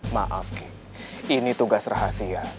maaf ini tugas rahasia